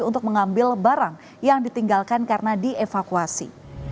untuk mengambil barang yang ditinggalkan karena dievakuasi